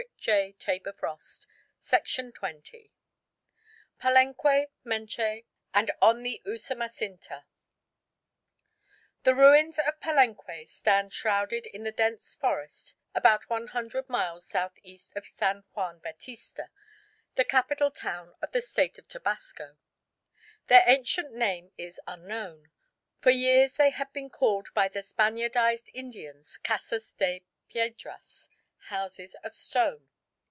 CHAPTER XIII PALENQUE, MENCHÉ, AND ON THE USUMACINTA The ruins of Palenque stand shrouded in the dense forest about one hundred miles south east of San Juan Batista, the capital town of the State of Tabasco. Their ancient name is unknown. For years they had been called by the Spaniardised Indians Casas de Piedras (Houses of Stone).